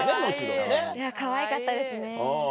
いやかわいかったですねはい。